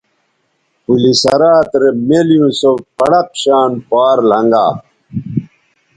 پلِ صراط رے مِیلیوں سو پڑق شان پار لھنگا